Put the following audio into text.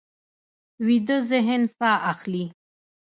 ویده ذهن ساه اخلي